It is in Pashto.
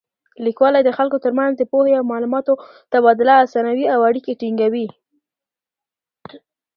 لیکوالی د خلکو تر منځ د پوهې او معلوماتو تبادله اسانوي او اړیکې ټینګوي.